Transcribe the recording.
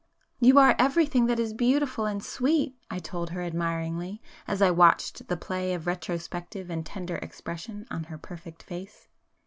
"You are everything that is beautiful and sweet!"—I told her, admiringly, as I watched the play of retrospective and tender expression on her perfect face.